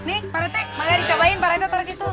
nih pak rete malah dicobain pak rete taruh situ